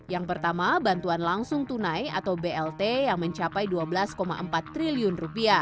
yang pertama bantuan langsung tunai atau blt yang mencapai rp dua belas empat triliun